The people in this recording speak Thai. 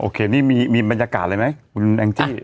นี่มีบรรยากาศอะไรไหมคุณแองจี้